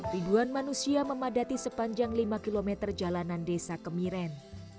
ribuan manusia memadati sepanjang lima km jalanan desa kemiren